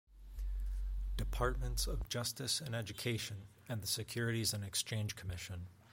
Departments of Justice and Education and the Securities and Exchange Commission.